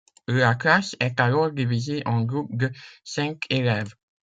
La classe est alors divisée en groupes de cinq élèves.